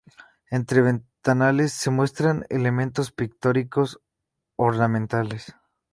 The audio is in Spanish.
Entre ventanales se muestran elementos pictóricos ornamentales.